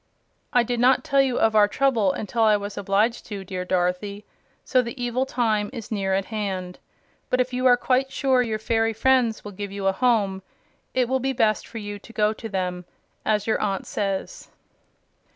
"I did not tell you of our trouble until I was obliged to, dear Dorothy, so the evil time is near at hand. But if you are quite sure your fairy friends will give you a home, it will be best for you to go to them, as your aunt says."